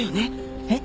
えっ？